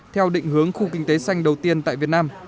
theo định hướng khu kinh tế xanh đầu tiên tại việt nam